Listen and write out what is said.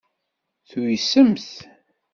Tuysemt.